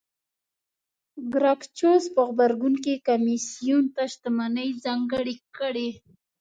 ګراکچوس په غبرګون کې کمېسیون ته شتمنۍ ځانګړې کړې